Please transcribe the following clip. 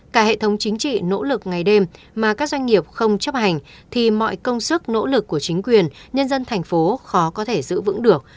cả hệ thống chính trị nỗ lực ngày đêm mà các doanh nghiệp không chấp hành thì mọi công sức nỗ lực của chính quyền nhân dân thành phố khó có thể giữ vững được